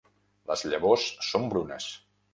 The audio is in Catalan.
Les llavors són brunes.